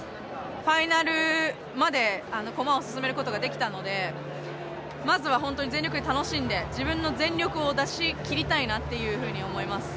ファイナルまで駒を進めることができたのでまずは本当に全力で楽しんで自分の全力を出しきりたいなというふうに思います。